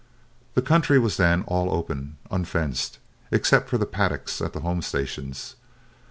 The country was then all open, unfenced, except the paddocks at the home stations.